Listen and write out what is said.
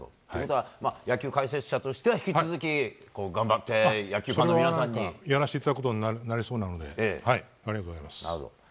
野球解説者としては引き続き頑張ってやらせていただくことになりそうなのでありがとうございます。